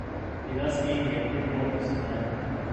He thus gained the approval of the Sublime Porte.